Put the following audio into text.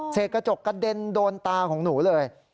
กระจกกระเด็นโดนตาของหนูเลย